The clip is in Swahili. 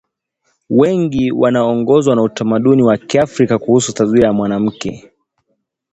wengi wanaoongozwa na utamaduni wa Kiafrika kuhusu taswira ya mwanamke